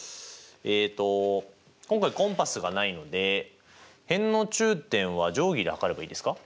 えっと今回コンパスがないので辺の中点は定規で測ればいいですか？